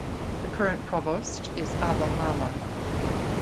The current provost is Abba Mala.